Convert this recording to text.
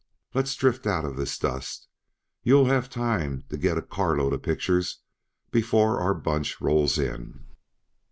Let's drift out uh this dust; you'll have time to get a carload uh pictures before our bunch rolls in."